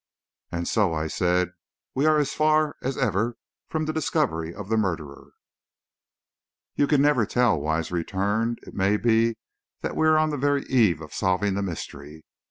"And so," I said, "we are as far as ever from the discovery of the murderer?" "You never can tell," Wise returned; "it may be we are on the very eve of solving the mystery.